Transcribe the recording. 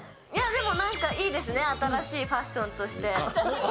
でも、なんかいいですね新しいファッションとして。